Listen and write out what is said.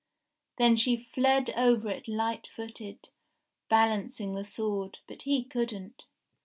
Then she fled over it light footed, balancing the sword, but he couldn't.